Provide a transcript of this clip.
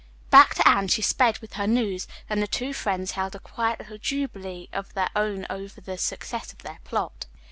Back to Anne she sped with her news, and the two friends held a quiet little jubilee of their own over the success of their plot.